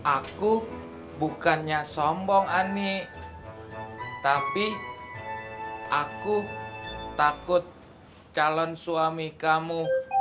aku bukannya sombong ani tapi aku takut calon suami kamu